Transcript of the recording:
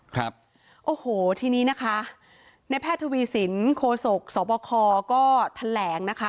ครับโอ้โหทีนี้นะคะในแพทย์ทวีสินโคศกสบคก็แถลงนะคะ